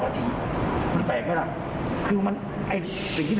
คือไอ้สิ่งที่เป็นธรรมชาติ